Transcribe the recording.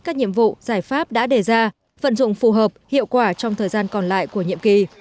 các nhiệm vụ giải pháp đã đề ra vận dụng phù hợp hiệu quả trong thời gian còn lại của nhiệm kỳ